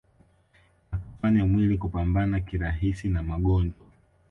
na kufanya mwili kupambana kirahisi na magonjwa